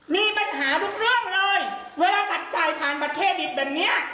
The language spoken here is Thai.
มีปัญหาทุกเรื่องเลยเวลาตัดจ่ายผ่านบัตรเครดิตแบบเนี้ย